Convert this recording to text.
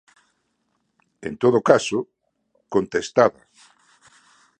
En todo caso, contestada.